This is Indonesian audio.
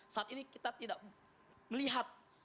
saat ini kita tidak melihat